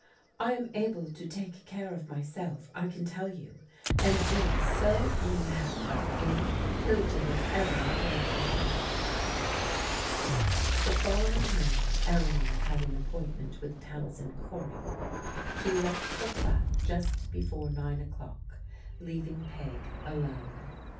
" 1 am. ?X>\^ Vo 158 PBODIGAL DAUGHTERS take care of myself, I can tell you, and Jim is so mad about me hell do whatever I want him to." The following morning Eleanor had an appointment with Tamsin Corj , She left the flat just before nine o'clock, leaving P^ alone.